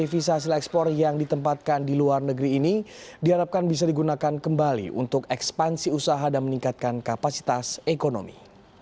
visa hasil ekspor yang ditempatkan di luar negeri ini diharapkan bisa digunakan kembali untuk ekspansi usaha dan meningkatkan kapasitas ekonomi